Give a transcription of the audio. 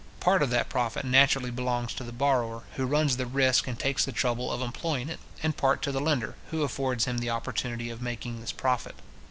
Part of that profit naturally belongs to the borrower, who runs the risk and takes the trouble of employing it, and part to the lender, who affords him the opportunity of making this profit.